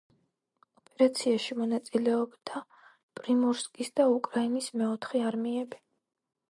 ოპერაციაში მონაწილეობდა პრიმორსკის და უკრაინის მეოთხე არმიები.